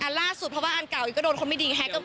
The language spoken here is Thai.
ล่าสุดเพราะว่าอันเก่าก็โดนคนไม่ดีแฮ็ก